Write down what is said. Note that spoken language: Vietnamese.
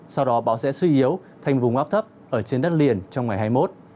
sau đó bão sẽ suy yếu thành vùng áp thấp ở trên đất liền trong ngày hai mươi một